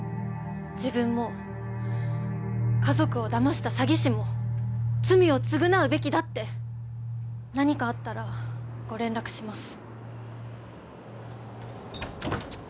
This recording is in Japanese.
自分も家族をだました詐欺師も罪を償うべきだって何かあったらご連絡します